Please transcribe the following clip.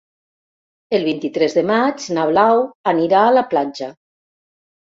El vint-i-tres de maig na Blau anirà a la platja.